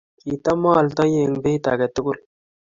kitamaltaoi eng beit age tugul.